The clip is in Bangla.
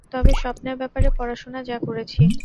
তবে স্বপ্নের ব্যাপারে পড়াশোনা যা করেছি।